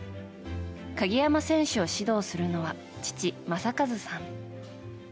鍵山選手を指導するのは父・正和さん。